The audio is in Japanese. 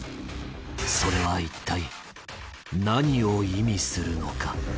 それはいったい何を意味するのか